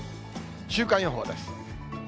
週間予報です。